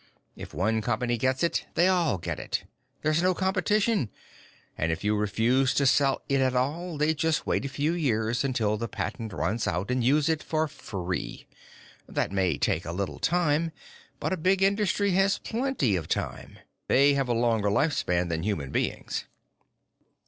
_ If one company gets it, they all get it. There's no competition, and if you refuse to sell it at all, they just wait a few years until the patent runs out and use it for free. That may take a little time, but a big industry has plenty of time. They have a longer life span than human beings."